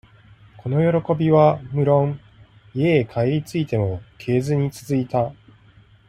この喜びは、むろん、家へ帰り着いても消えずにつづいた。